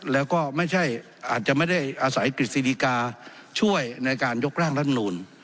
แล้วก็อาจจะไม่ได้อาศัยกฤษฎีกาช่วยในการยกร่างด้านนู้น